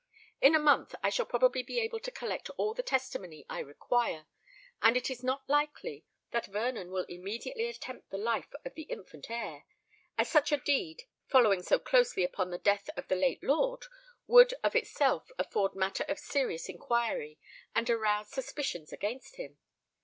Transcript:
In a month I shall probably be able to collect all the testimony I require; and it is not likely that Vernon will immediately attempt the life of the infant heir, as such a deed following so closely upon the death of the late lord would of itself afford matter of serious inquiry and arouse suspicions against him.